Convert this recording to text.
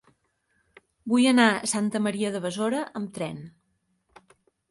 Vull anar a Santa Maria de Besora amb tren.